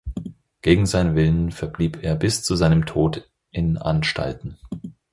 Gegen seinen Willen verblieb er bis zu seinem Tod in Anstalten.